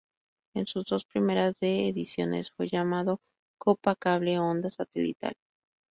En sus dos primeras de ediciones fue llamado "Copa Cable Onda Satelital".